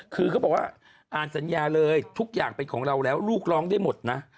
คือเขาบอกว่าอ่านสัญญาเลยทุกอย่างเป็นของเราแล้วลูกร้องได้หมดนะ